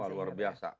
wah luar biasa